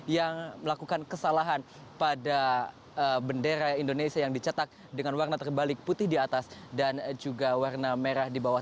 yang melakukan kesalahan pada bendera indonesia yang dicetak dengan warna terbalik putih di atas dan juga warna merah di bawah